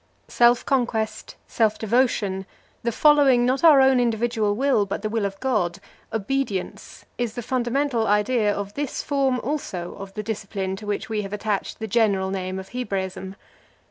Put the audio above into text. Self conquest, self devotion, the following not our own individual will, but the will of God, obedience, is the fundamental idea of this form, also, of the discipline to which we have attached the general name of Hebraism.